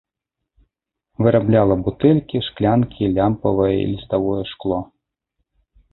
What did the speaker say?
Вырабляла бутэлькі, шклянкі, лямпавае і ліставое шкло.